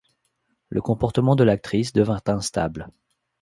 Le comportement de l'actrice devint instable.